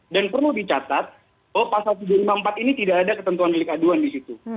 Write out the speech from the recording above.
dan perlu dicatat bahwa pasal tiga ratus lima puluh empat ini tidak ada ketentuan milik aduan di situ